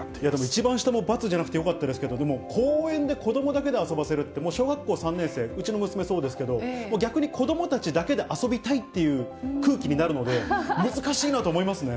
一番下も×じゃなくてよかったですけど、でも、公園で子どもだけで遊ばせるって、もう小学校３年生、うちの娘そうですけど、逆に子どもたちだけで遊びたいっていう空気になるので、難しいなと思いますね。